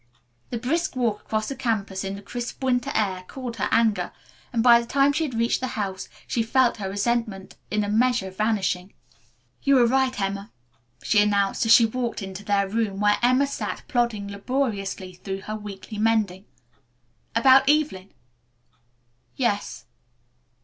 The brisk walk across the campus in the crisp winter air cooled her anger, and by the time she had reached the house she felt her resentment, in a measure, vanishing. "You were right, Emma," she announced as she walked into their room where Emma sat plodding laboriously through her weekly mending. "About Evelyn?" "Yes."